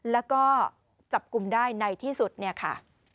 แล้วก็จับกลุ่มได้ในที่สุดเนี่ยค่ะ